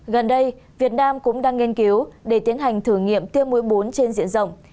gần đây việt nam cũng đang nghiên cứu để tiến hành thử nghiệm tiêm mũi bốn trên diện rộng